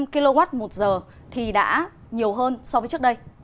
một trăm linh kw một giờ thì đã nhiều hơn so với trước đây